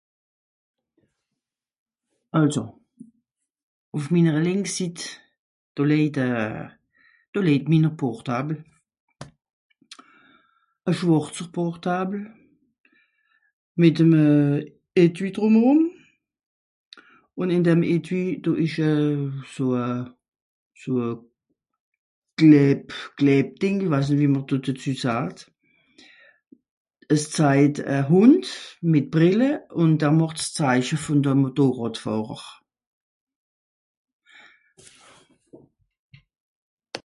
àlso ùff minnere lìnks sit do leijt a do leijt minner Portable a schwàrzer Portable mìt'm a euh étui drumerum un in dem étui do esch euuh so euh so euh a gleeb gleeb dìng weiss nìt wie m'r do dezü saat es zajt a Hùnd mìt Brìlle un dar màcht 's zeiche von de Motoràdfàhrer